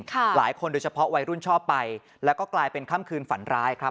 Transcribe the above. หลายคนโดยเฉพาะวัยรุ่นชอบไปแล้วก็กลายเป็นค่ำคืนฝันร้ายครับ